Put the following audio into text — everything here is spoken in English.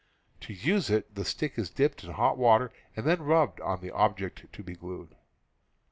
To use it, the stick is dipped in hot water and then rubbed on the object to be glued.